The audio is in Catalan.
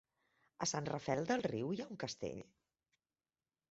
A Sant Rafel del Riu hi ha un castell?